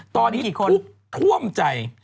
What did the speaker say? ตอนนี้ทุกข์ท่วมใจ